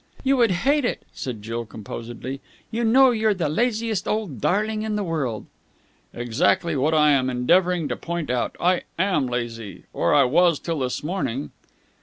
"You would hate it," said Jill composedly. "You know you're the laziest old darling in the world." "Exactly what I am endeavouring to point out. I am lazy. Or, I was till this morning."